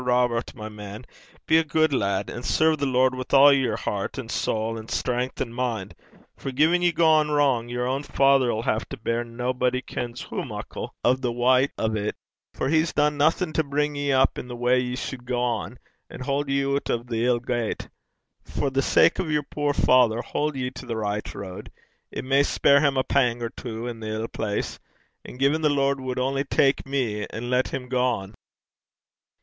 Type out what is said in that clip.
Robert, my man, be a guid lad, an' serve the Lord wi' a' yer hert, an' sowl, an' stren'th, an' min'; for gin ye gang wrang, yer ain father 'll hae to beir naebody kens hoo muckle o' the wyte o' 't, for he's dune naething to bring ye up i' the way ye suld gang, an' haud ye oot o' the ill gait. For the sake o' yer puir father, haud ye to the richt road. It may spare him a pang or twa i' the ill place. Eh, gin the Lord wad only tak me, and lat him gang!'